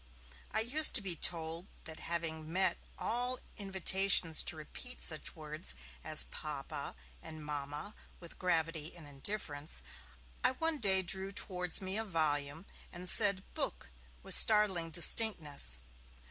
I used to be told that having met all invitations to repeat such words as 'Papa' and 'Mamma' with gravity and indifference, I one day drew towards me a volume, and said 'book' with startling distinctness.